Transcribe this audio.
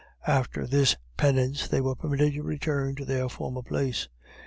After this pennance they were permitted to return to their former place.